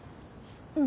うん。